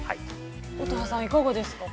◆乙葉さん、いかがですか。